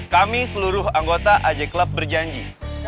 kami seluruh anggota aj club berjanji